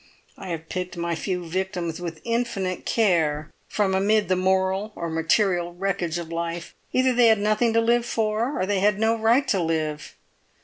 I have picked my few victims with infinite care from amid the moral or material wreckage of life; either they had nothing to live for, or they had no right to live.